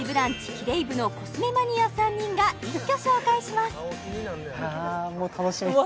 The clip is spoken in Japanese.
キレイ部のコスメマニア３人が一挙紹介します楽しみですね